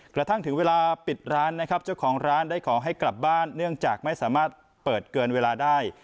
กระทั่งถึงเวลาปิดร้านนะครับเจ้าของร้านได้ขอให้กลับบ้านเนื่องจากไม่สามารถเปิดเกินเวลาได้